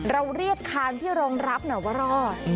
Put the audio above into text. เราเรียกคานที่รองรับหน่อยว่ารอด